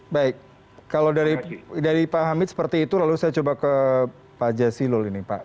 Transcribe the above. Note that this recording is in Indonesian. baik kalau dari pak hamid seperti itu lalu saya coba ke pak jasilul ini pak